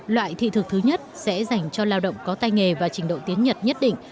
loại thị thực thứ nhất sẽ dành cho lao động có tay nghề và trình độ tiếng nhật nhất định